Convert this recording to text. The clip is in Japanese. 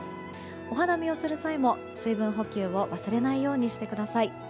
お花見をする際も水分補給を忘れないようにしてください。